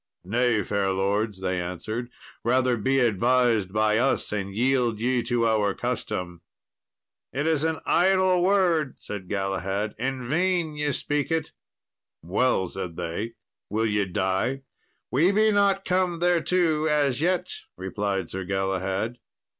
"Nay, fair lords," they answered, "rather be advised by us, and yield ye to our custom." "It is an idle word," said Galahad, "in vain ye speak it." "Well," said they, "will ye die?" "We be not come thereto as yet," replied Sir Galahad.